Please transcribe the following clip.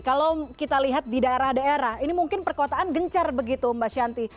kalau kita lihat di daerah daerah ini mungkin perkotaan gencar begitu mbak shanti